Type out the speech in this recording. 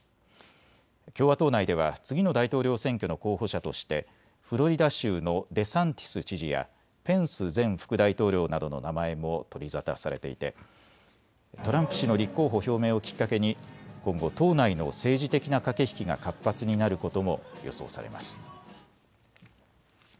共和党内では次の大統領選挙の候補者としてフロリダ州のデサンティス知事やペンス前副大統領などの名前も取り沙汰されていてトランプ氏の立候補表明をきっかけに今後、党内の政治的な駆け引きが活発になることも予想されます。